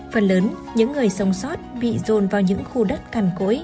phần lớn những người sống sót bị dồn vào những khu đất cằn cối